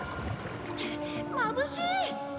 まぶしい！